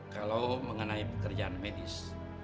kalau mengenai pekerjaan medis